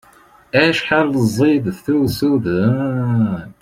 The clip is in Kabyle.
Acḥal ẓid-it i usuden!